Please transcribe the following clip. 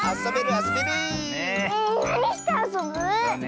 なにしてあそぶ？